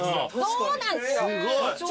そうなんですよ。